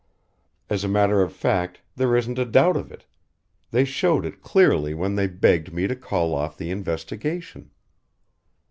As a matter of fact, there isn't a doubt of it they showed it clearly when they begged me to call off the investigation.